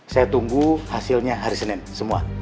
saya tunggu hasilnya hari senin semua